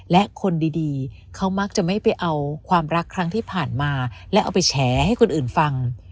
และคนดีเขามักจะไม่ไปเอาความรักครั้งที่ผ่านมาและเอาไปแฉให้คนอื่นฟัง